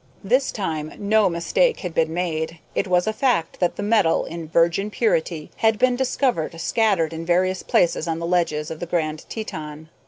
This time no mistake had been made. It was a fact that the metal, in virgin purity, had been discovered scattered in various places on the ledges of the Grand Teton.